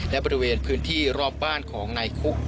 และบริเวณพื้นที่รอบบ้านของนายคุก